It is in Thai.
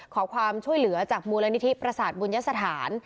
ขอความช่วยเหลือจากมูลนิธิประสาทบุญสถาน